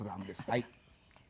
はい。